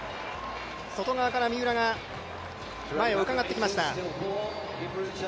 外側から三浦が、前をうかがってきました。